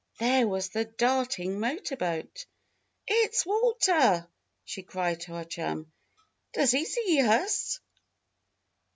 there was the darting motor boat. "It's Walter!" she cried to her chum. "Does he see us?"